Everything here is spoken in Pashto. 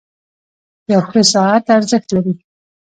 • یو ښه ساعت ارزښت لري.